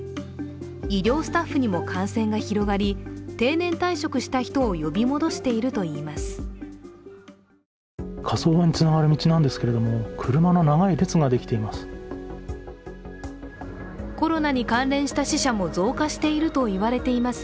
医療スタッフにも感染が広がり定年退職をした人を呼び戻しているといいます。